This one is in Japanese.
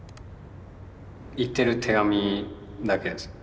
行ってる手紙だけですね。